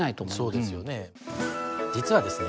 逆に実はですね